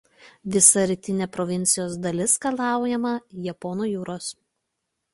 Visa rytinė provincijos dalis skalaujama Japonų jūros.